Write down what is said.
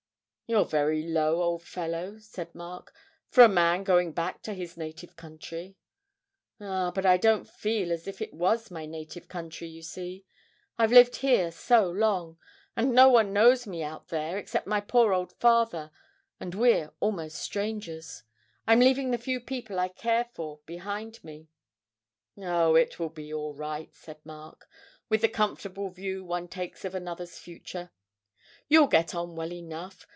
'You're very low, old fellow,' said Mark, 'for a man going back to his native country.' 'Ah, but I don't feel as if it was my native country, you see. I've lived here so long. And no one knows me out there except my poor old father, and we're almost strangers. I'm leaving the few people I care for behind me.' 'Oh, it will be all right,' said Mark, with the comfortable view one takes of another's future; 'you'll get on well enough.